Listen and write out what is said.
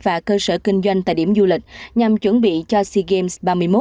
và cơ sở kinh doanh tại điểm du lịch nhằm chuẩn bị cho sea games ba mươi một